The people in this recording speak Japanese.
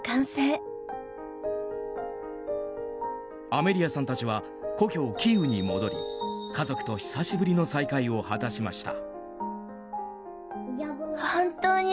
アメリアさんたちは故郷キーウに戻り家族と久しぶりの再会を果たしました。